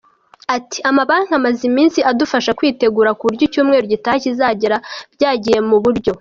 Ati “Amabanki amaze iminsi adufasha kwitegura ku buryo icyumweru gitaha kizagera byagiye mu buryo.”